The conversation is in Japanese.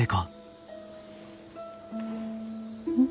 うん。